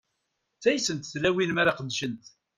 Ttaggsent tlawin mi ara qeddcent.